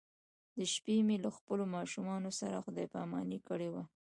د شپې مې له خپلو ماشومانو سره خدای پاماني کړې وه.